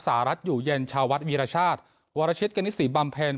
สหรัฐอยู่เย็นชาววัดวีรชาติวรชิตกณิศรีบำเพ็ญ